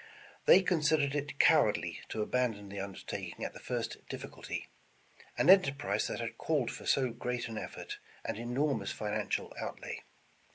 They considered it cowardly to abandon the undertaking at the first difficulty, — an enterprise that had called for so great an effort, and enormous financial outlay.